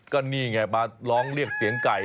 ก็นี่ไงมาร้องเรียกเสียงไก่